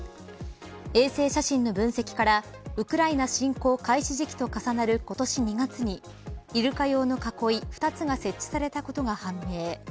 衛星写真の分析からウクライナ侵攻開始時期と重なる今年２月にイルカ用の囲い２つが設置されたことが判明。